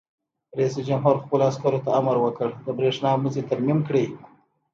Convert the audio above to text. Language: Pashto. رئیس جمهور خپلو عسکرو ته امر وکړ؛ د برېښنا مزي ترمیم کړئ!